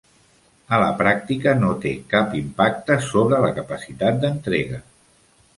A la pràctica, no té cap impacte sobre la capacitat d'entrega.